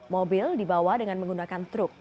mobil dibawa dengan menggunakan truk